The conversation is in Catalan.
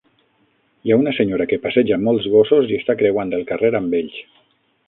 Hi ha una senyora que passeja molts gossos i està creuant el carrer amb ells.